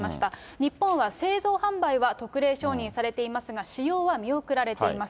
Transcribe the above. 日本は製造販売は特例承認されていますが、使用は見送られています。